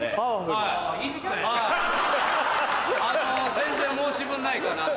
全然申し分ないかなと。